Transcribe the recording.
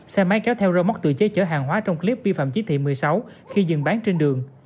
xe máy kéo theo rơ móc tự chế chở hàng hóa trong clip vi phạm chí thị một mươi sáu khi dừng bán trên đường